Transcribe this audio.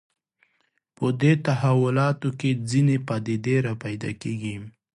په دې تحولاتو کې ځینې پدیدې راپیدا کېږي